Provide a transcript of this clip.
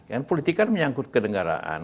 karena politik kan menyangkut kenegaraan